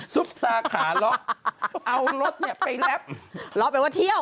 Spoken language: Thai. ซุปตาขาเลาะเอารถเนี่ยไปแร็ปเลาะแปลว่าเที่ยว